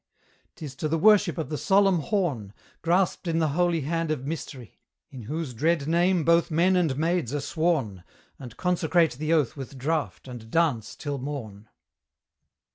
'Tis to the worship of the solemn Horn, Grasped in the holy hand of Mystery, In whose dread name both men and maids are sworn, And consecrate the oath with draught and dance till morn.